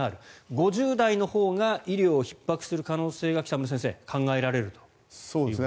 ５０代のほうが医療をひっ迫する可能性が北村先生考えられるということですね。